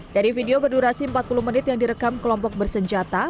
dari video berdurasi empat puluh menit yang direkam kelompok bersenjata